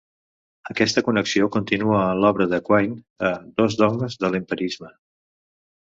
Aquesta connexió continua en l'obra de Quine a "Dos dogmes de l'empirisme".